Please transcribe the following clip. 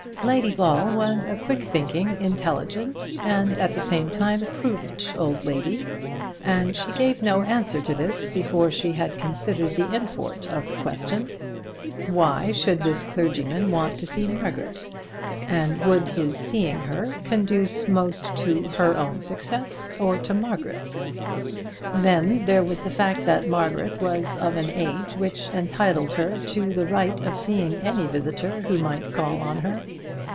Lady Ball was a quick thinking, intelligent, and, at the same time, prudent old lady, and she gave no answer to this before she had considered the import of the question. Why should this clergyman want to see Margaret? And would his seeing her conduce most to her own success, or to Margaret's? Then there was the fact that Margaret was of an age which entitled her to the right of seeing any visitor who might call on her.